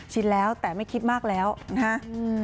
ชินแล้วแต่ไม่คิดมากแล้วนะฮะ